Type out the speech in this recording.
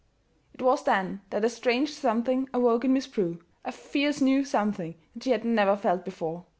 It was then that a strange something awoke in Miss Prue a fierce new something that she had never felt before.